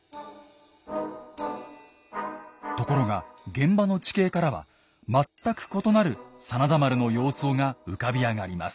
ところが現場の地形からは全く異なる真田丸の様相が浮かび上がります。